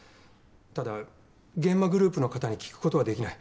ただ諫間グループの方に聞くことはできない。